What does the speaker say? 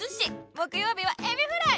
木曜日はエビフライ！